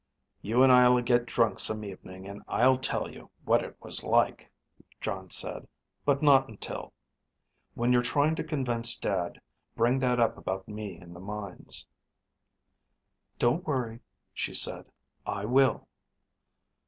"You and I'll get drunk some evening and I'll tell you what it was like," Jon said. "But not until. When you're trying to convince Dad, bring that up about me and the mines." "Don't worry," she said. "I will."